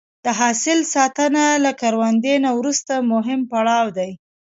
د حاصل ساتنه له کروندې نه وروسته مهم پړاو دی.